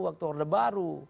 waktu orde baru